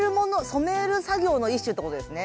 染める作業の一種ってことですね。